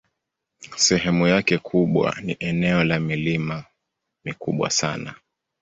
Sehemu yake kubwa ni eneo la milima mikubwa sana.